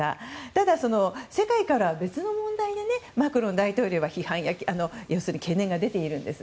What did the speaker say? ただ、世界からは別の問題でマクロン大統領には批判や懸念が出ています。